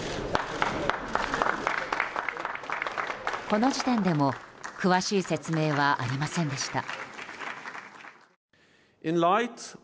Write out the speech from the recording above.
この時点でも詳しい説明はありませんでした。